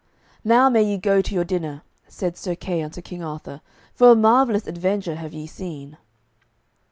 "Now may ye go to your dinner," said Sir Kay unto King Arthur, "for a marvellous adventure have ye seen."